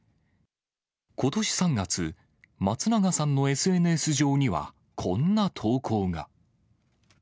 ことし３月、松永さんのＳＮＳ上には、こんな投稿が。